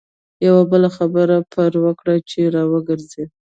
یوه بله خبره پر وکړه چې را وګرځي.